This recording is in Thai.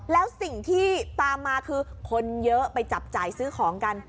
แล้วสิ่งที่ตามมาคือคนเยอะไปจับจ่ายซื้อของกัน